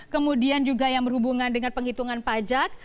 kemudian juga yang berhubungan dengan penghitungan pajak